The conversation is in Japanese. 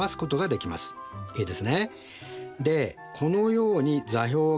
いいですね。